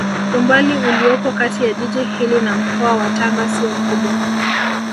Umbali uliopo kati ya jiji hili na mkoa wa Tanga sio mkubwa